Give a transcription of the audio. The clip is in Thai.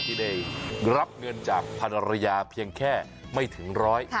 ที่ได้รับเงินจากพันรยาเพียงแค่ไม่ถึงร้อย